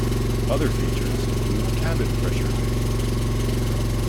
Other features include cabin pressurization.